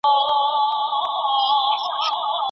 تاسو باید د وېروس د نښو په لیدلو سره خپل ځان قرنطین کړئ.